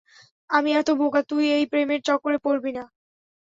আমি এত বোকা, তুই এই প্রেমের চক্করে পড়বি না।